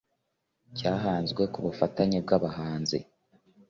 cyahanzwe ku bufatanye bw abahanzi